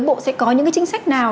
bộ sẽ có những cái chính sách nào